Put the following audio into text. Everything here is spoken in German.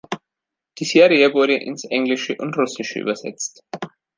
Die Serie wurde ins Englische und Russische übersetzt.